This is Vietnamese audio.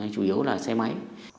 chủ yếu là xe máy